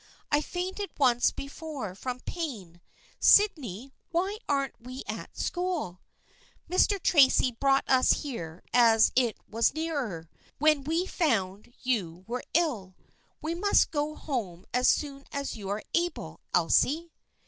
I fainted once before from pain. Sydney, why aren't we at school? "" Mr. Tracy brought us here as it was nearer, when we found you were ill. We must go home as soon as you are able, Elsie."